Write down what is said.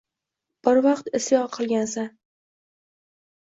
Bir vaqt isyon qilgansan.